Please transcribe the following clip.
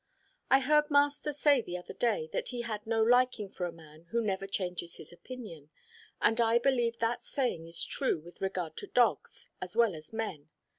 I heard master say the other day that he had no liking for a man who never changes his opinion, and I believe that saying is true with regard to dogs as well as men.